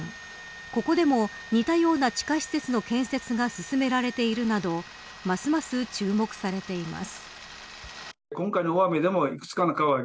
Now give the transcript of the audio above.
ここでも、似たような地下施設の建設が進められているなどますます注目されています。